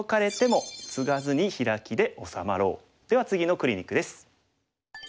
では次のクリニックです。